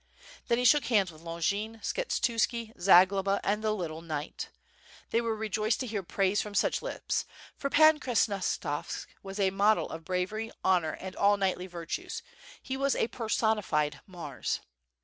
Then he shook hands with Longin, Skshetuski, Zagloba, and the little knight. They were rejoiced to hear praise from such lips, for Pan Krasnostavsk was a model of bravery, honor, and all knightly virtues, he was a personified Mars.